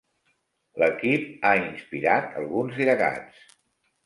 L'equip ha inspirat alguns llegats.